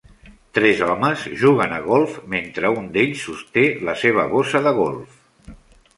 Tres homes juguen a golf mentre un d'ells sosté la seva bossa de golf.